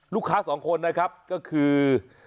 ลูกค้าสองคนนะครับก็คือ